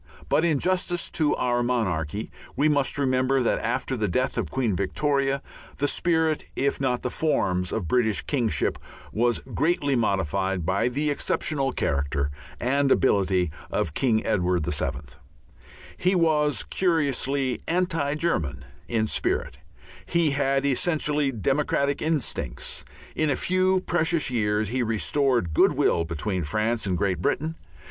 But in justice to our monarchy we must remember that after the death of Queen Victoria, the spirit, if not the forms, of British kingship was greatly modified by the exceptional character and ability of King Edward VII. He was curiously anti German in spirit; he had essentially democratic instincts; in a few precious years he restored good will between France and Great Britain.